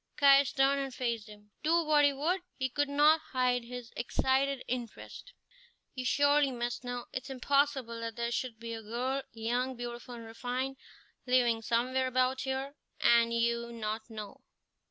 Caius turned and faced him. Do what he would, he could not hide his excited interest. "You surely must know. It is impossible that there should be a girl, young, beautiful and refined, living somewhere about here, and you not know."